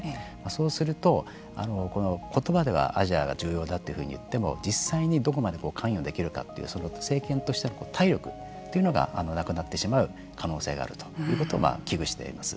そうすると、言葉ではアジアが重要だというふうに言っても実際にどこまで関与できるかというその政権としての体力というのがなくなってしまう可能性があるということを危惧しています。